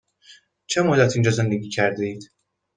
چه مدت اینجا زندگی کرده اید؟